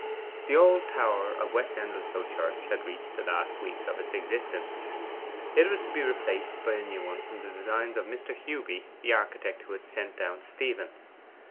The old tower of West Endelstow Church had reached the last weeks of its existence. It was to be replaced by a new one from the designs of Mr. Hewby, the architect who had sent down Stephen.